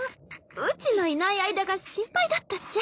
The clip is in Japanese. うちのいない間が心配だったっちゃ。